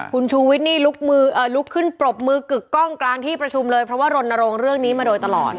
คุณชูวิทย์นี่ลุกขึ้นปรบมือกึกกล้องกลางที่ประชุมเลยเพราะว่ารณรงค์เรื่องนี้มาโดยตลอด